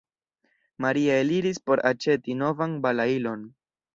Maria eliris por aĉeti novan balailon.